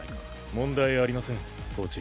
問題ありませんコーチ。